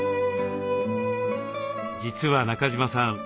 実は中島さん